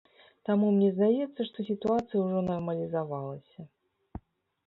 Таму мне здаецца, што сітуацыя ўжо нармалізавалася.